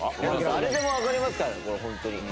誰でもわかりますからねこれホントに。